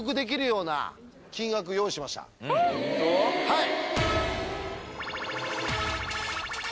はい！